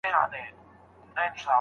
کندهار دی، که کجرات دی، که اعجاز دی